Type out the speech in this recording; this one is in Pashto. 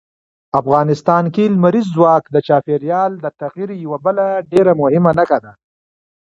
افغانستان کې لمریز ځواک د چاپېریال د تغیر یوه بله ډېره مهمه نښه ده.